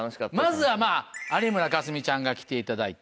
まずは有村架純ちゃんが来ていただいて。